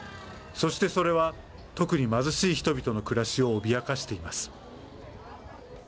そしてそれは特に貧しい人々の暮らしを脅かしています。